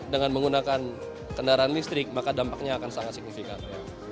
dengan menggunakan kendaraan listrik maka dampaknya akan sangat signifikan